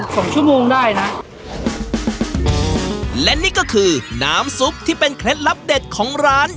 สองชั่วโมงได้นะและนี่ก็คือน้ำซุปที่เป็นเคล็ดลับเด็ดของร้าน